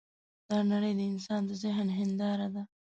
دا نړۍ د انسان د ذهن هینداره ده.